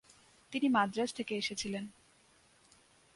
তিনি মাদ্রাজ থেকে এসেছিলেন।